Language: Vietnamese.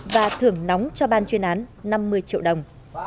và thưởng nóng cho ban chuyên án năm mươi triệu đồng